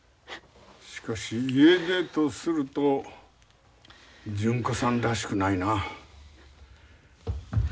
しかし家出とすると純子さんらしくないな。